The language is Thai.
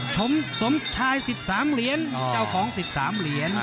สมชาย๑๓เหรียญเจ้าของ๑๓เหรียญ